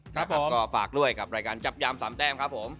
ครับผมก็ฝากด้วยกับรายการจับยามสามแต้มครับผม